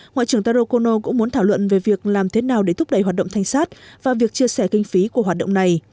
ngoại trưởng taro kono cũng muốn thảo luận về việc làm thế nào để thúc đẩy hoạt động thanh sát và việc chia sẻ kinh phí của hoạt động này